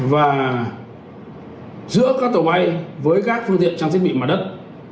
và giữa các tàu bay với các phương tiện trang thiết bị mặt đất